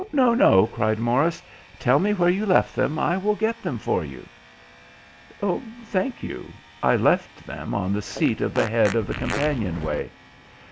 "No, no," cried Morris, "tell me where you left them. I will get them for you." "Thank you. I left them on the seat at the head of the companion way.